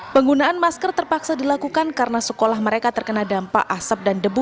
penggunaan masker terpaksa dilakukan karena sekolah mereka terkena dampak asap dan debu